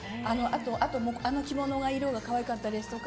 あの着物の色が可愛かったですとか